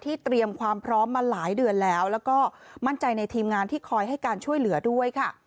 เตรียมความพร้อมมาหลายเดือนแล้วแล้วก็มั่นใจในทีมงานที่คอยให้การช่วยเหลือด้วยค่ะ